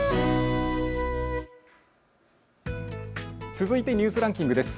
続いてニュースランキングです。